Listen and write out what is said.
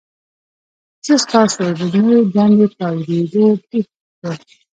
زه ستاسو د نوي دندې په اوریدو ډیر خوښ یم.